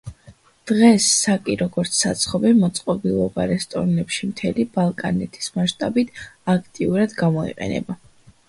დღეს საკი როგორც საცხობი მოწყობილობა რესტორნებში მთელი ბალკანეთის მაშტაბით აქტიურად გამოიყენება.